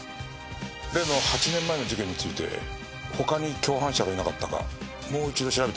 例の８年前の事件について他に共犯者がいなかったかもう一度調べてみてくれ。